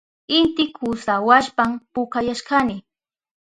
Inti kusawashpan pukayashkani.